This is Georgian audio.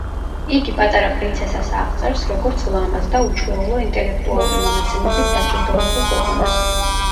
იგი პატარა პრინცესას აღწერს როგორც ლამაზ და უჩვეულო ინტელექტუალური მონაცემებით დაჯილდოვებულ გოგონას.